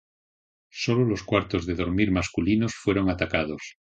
Sólo los cuartos de dormir masculinos fueron atacados.